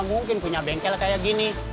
mungkin punya bengkel kayak gini